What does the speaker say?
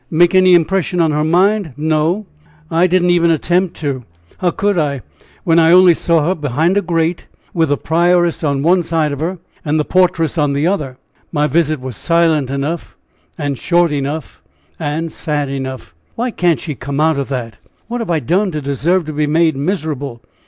"'Make any impression on her mind!' No! I I did not even attempt to. How could I, when I only saw her behind a grate, with the prioress on one side of her and the portress on the other? My visit was silent enough, and short enough, and sad enough. Why can't she come out of that? What have I done to deserve to be made miserable?